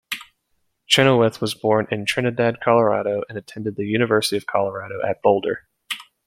Chenoweth was born in Trinidad, Colorado, and attended the University of Colorado at Boulder.